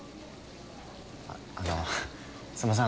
ああのすみません